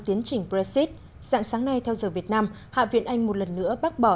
tiến trình brexit dạng sáng nay theo giờ việt nam hạ viện anh một lần nữa bác bỏ